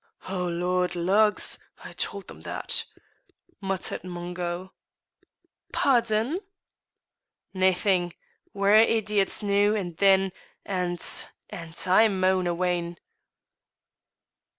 "O Lord! lugs! I told them that!" muttered Mungo. "Pardon!" "Naething; we're a' idiots noo and then, and and I maun awa' in."